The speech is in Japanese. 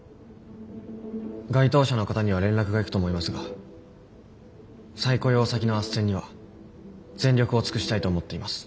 該当者の方には連絡がいくと思いますが再雇用先のあっせんには全力を尽くしたいと思っています。